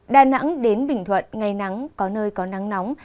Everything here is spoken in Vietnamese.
đà nẵng đến bình thuận ngày nắng có nơi có nắng nóng